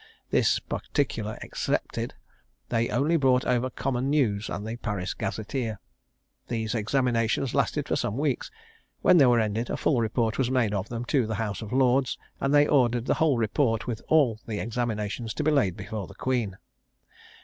This particular excepted, they only brought over common news, and the Paris Gazeteer. These examinations lasted for some weeks; when they were ended, a full report was made of them to the House of Lords, and they ordered the whole report, with all the examinations, to be laid before the Queen."